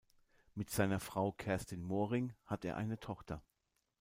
Mit seiner Frau Kerstin Moring hat er eine Tochter.